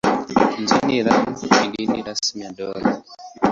Nchini Iran ni dini rasmi ya dola.